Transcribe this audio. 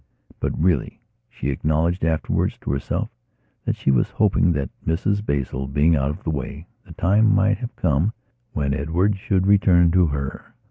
But, really, she acknowledged afterwards to herself, she was hoping that, Mrs Basil being out of the way, the time might have come when Edward should return to her.